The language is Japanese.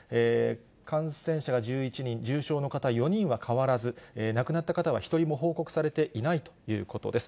感染者が１１人、重症の方４人は変わらず、亡くなった方は１人も報告されていないということです。